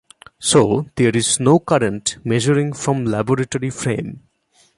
So there is no current measuring from laboratory frame.